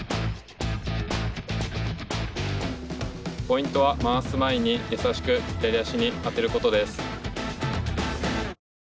ポイントは回す前にやさしく左足にあてることです。